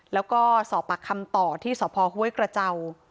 แล้วก็สอบปากคำต่อที่สพห้วยกระเจ้า